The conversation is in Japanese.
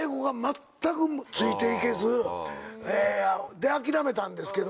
で諦めたんですけど。